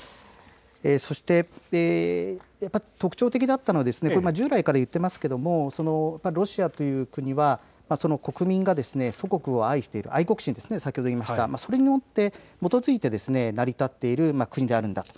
そして特徴的だったのは従来から言っていますがロシアという国は国民が祖国を愛している、愛国心、先ほど言いました、それをもって、基づいて成り立っている国であるんだと、